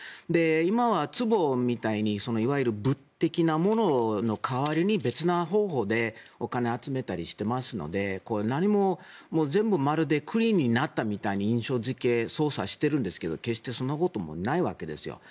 今は、つぼみたいにいわゆる物的なものの代わりに別な方法でお金を集めたりしていますので何も全部まるでクリーンになったみたいに印象付け操作しているんですけど決してそんなこともないわけですよ。